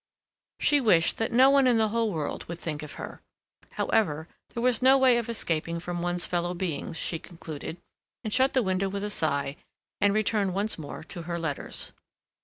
She wished that no one in the whole world would think of her. However, there was no way of escaping from one's fellow beings, she concluded, and shut the window with a sigh, and returned once more to her letters.